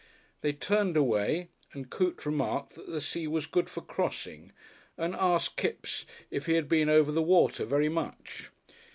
They turned away and Coote remarked that the sea was good for crossing, and asked Kipps if he had been over the water very much.